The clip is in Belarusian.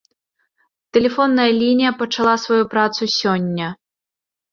Тэлефонная лінія пачала сваю працу сёння.